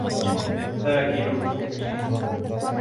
آكل الخبز.